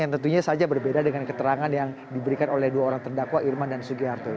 yang tentunya saja berbeda dengan keterangan yang diberikan oleh dua orang terdakwa irman dan sugiharto